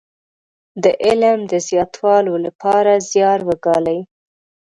د علم د زياتولو لپاره زيار وګالي.